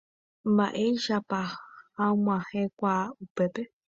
Mba'éichapa ag̃uahẽkuaa upépe.